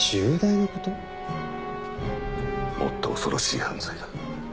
もっと恐ろしい犯罪だ。